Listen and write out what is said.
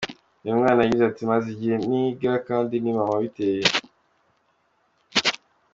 Uyu mwana yagize ati “Maze igihe ntiga kandi ni mama wabiteye.